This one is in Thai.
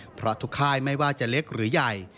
เพราะทุกค่ายไม่ว่าจะเล็กหรือใหญ่